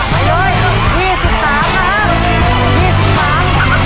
บียบริกาพิมพ์ทำได้ไหม